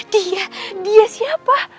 dia dia siapa